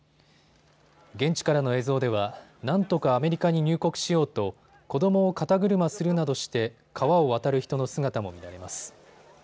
現地からの映像では、なんとかアメリカに入国しようと子どもを肩車するなどして川を渡る人の姿も見られます。